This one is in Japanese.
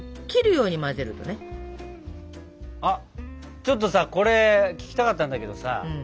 ちょっとさこれ聞きたかったんだけどさ